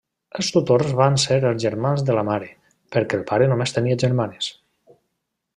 Els tutors van ser els germans de la mare, perquè el pare només tenia germanes.